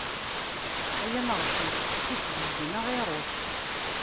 Ay ameɣcuc, i k-isbezgen ad ɣ-iṛuc.